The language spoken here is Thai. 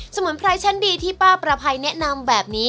มุนไพรชั้นดีที่ป้าประภัยแนะนำแบบนี้